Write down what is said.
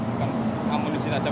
bukan amunisi tajam